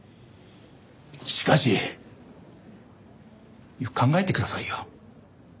しかしよく考えてくださいよ。